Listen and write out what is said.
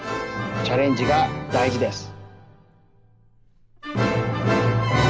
チャレンジがだいじです。